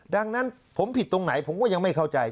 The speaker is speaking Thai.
ดังนั้นผมผิดตรงไหนผมก็ยังไม่เข้าใจ